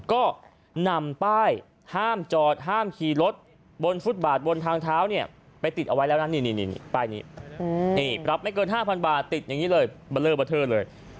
ก็นำป้ายห้ามจอดห้ามขี่รถบนฟุตบาทบนทางเท้าไปติดเราไว้เลยนี่ไม่เกิน๕๐๐๐บาทติดเบลอร์เบอร์เทินเลย